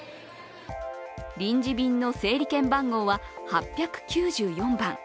臨時便の整理券番号は８９４番。